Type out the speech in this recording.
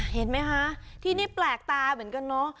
เห็นไหมคะที่นี่แปลกตาเหมือนกันเนอะ